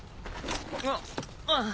あっああ。